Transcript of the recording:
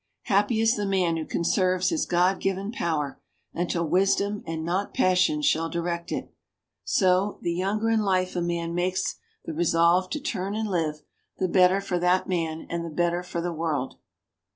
Happy is the man who conserves his God given power until wisdom and not passion shall direct it. So, the younger in life a man makes the resolve to turn and live, the better for that man and the better for the world.